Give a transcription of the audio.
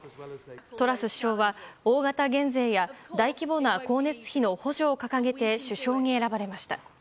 トラス首相は大型減税や大規模な光熱費の補助を掲げて首相に選ばれました。